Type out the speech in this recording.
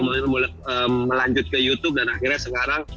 mulai melanjut ke youtube dan akhirnya sekarang